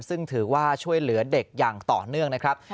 ซึ่งถือว่าช่วยเหลือเด็กอย่างต่อเนื่องนะครับ